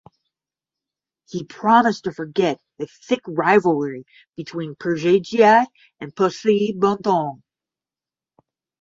He promised to forget the thick rivalry between Persija and Persib Bandung.